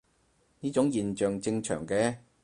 呢種現象正常嘅